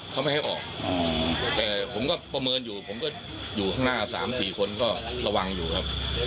เขาจะกลับมา